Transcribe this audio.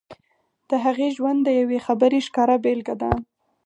د هغې ژوند د يوې خبرې ښکاره بېلګه ده.